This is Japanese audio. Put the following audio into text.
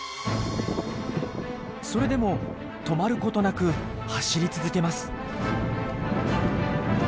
それでも止まることなく走り続けます。